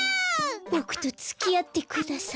ボクとつきあってください。